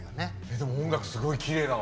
でも音楽すごいきれいだわ。